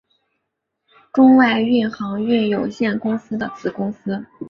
中外运航运有限公司的子公司。